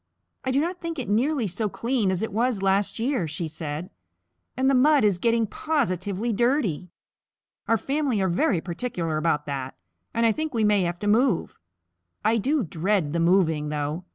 "I do not think it nearly so clean as it was last year," she said, "and the mud is getting positively dirty. Our family are very particular about that, and I think we may have to move. I do dread the moving, though.